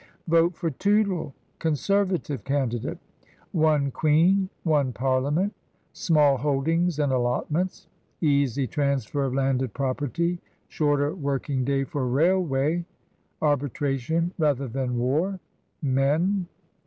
VOTE FOR TOOTLE, CONSERVATIVE CANDIDATE. One Queen, One Parliament. Small Holdings and Allotments. Easy Transfer of Landed Property. Shorter Working day for Railway Arbitration rather than War. [Men.